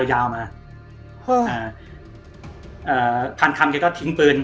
ยาวมาเอ่อพันคำแกก็ทิ้งปืน